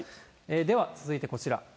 では、続いてこちら。